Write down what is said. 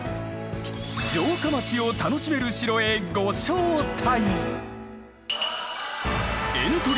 城下町を楽しめる城へご招待。